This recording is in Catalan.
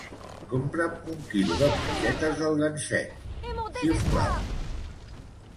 Compra'm un quilo de mongetes del ganxet, si us plau.